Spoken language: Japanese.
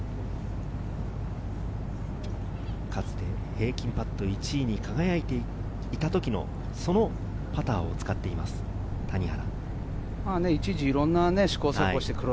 かつて平均パット１位に輝いていたときのそのパターを使っています、谷原。